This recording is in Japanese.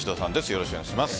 よろしくお願いします。